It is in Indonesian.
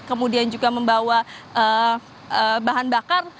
kemudian juga membawa bahan bakar